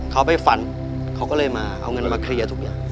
เขาไปฝันเขาก็เลยมาเอาเงินมาเคลียร์ทุกอย่าง